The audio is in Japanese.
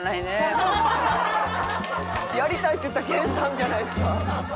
やりたいって言ったの研さんじゃないですか。